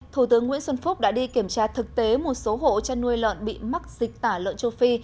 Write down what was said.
thủ tướng nguyễn xuân phúc đã đi kiểm tra thực tế một số hộ chăn nuôi lợn bị mắc dịch tả lợn châu phi